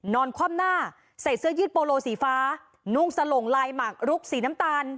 คว่ำหน้าใส่เสื้อยืดโปโลสีฟ้านุ่งสลงลายหมักลุกสีน้ำตาล